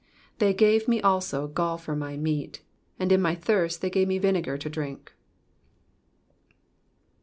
21 They gave me also gall for my meat ; and in my thirst they gave me vinegar to drink.